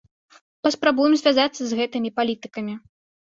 Паспрабуем звязацца з гэтымі палітыкамі.